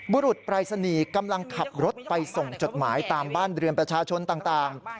บุรุษปรายศนีย์กำลังขับรถไปส่งจดหมายตามบ้านเรือนประชาชนต่าง